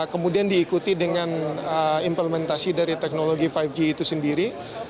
kemudian diikuti dengan implementasi dari teknologi lima g itu sendiri